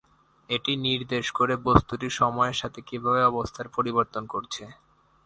এটি নির্দেশ করে বস্তুটি সময়ের সাথে কিভাবে অবস্থান পরিবর্তন করছে।